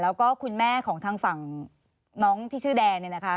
แล้วก็คุณแม่ของทางฝั่งน้องที่ชื่อแดนเนี่ยนะคะ